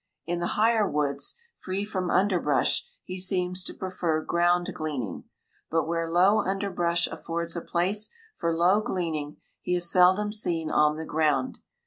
In the higher woods free from underbrush he seems to prefer ground gleaning, but where low underbrush affords a place for low gleaning he is seldom seen on the ground.